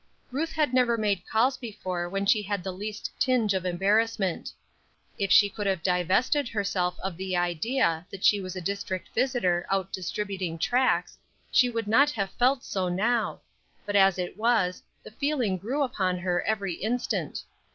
Ruth had never made calls before when she had the least tinge of embarrassment. If she could have divested herself of the idea that she was a district visitor out distributing tracts, she would not have felt so now; but as it was, the feeling grew upon her every instant.